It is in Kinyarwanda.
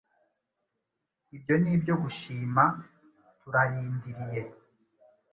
Ibyo ni ibyo gushima, turarindiriye".